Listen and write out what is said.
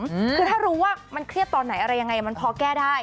อืมคือถ้ารู้ว่ามันเครียดตอนไหนอะไรยังไงมันพอแก้ได้